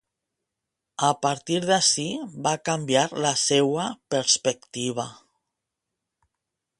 A partir d’ací, va canviar la seua perspectiva.